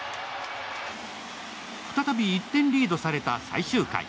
再び１点リードされた最終回。